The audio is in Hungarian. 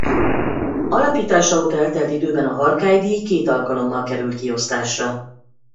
Alapítása óta eltelt időben a Harkály díj két alkalommal került kiosztásra.